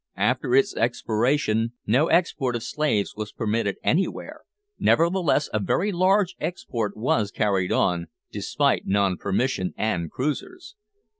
After its expiration no export of slaves was permitted anywhere; nevertheless a very large export was carried on, despite non permission and cruisers.